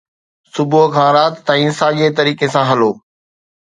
صبح کان رات تائين ساڳئي طريقي سان هلو